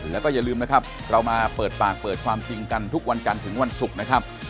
แล้วก็อย่าลืมนะครับเรามาเปิดปากเปิดความจริงกันทุกวันจันทร์ถึงวันศุกร์นะครับ